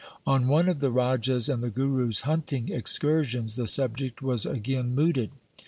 On one of the Raja's and the Guru's hunting excursions the subject was again mooted.